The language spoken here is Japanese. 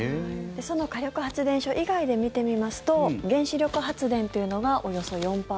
その火力発電所以外で見てみますと原子力発電というのがおよそ４％。